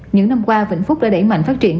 những năm qua vĩnh phúc đã đẩy mạnh phát triển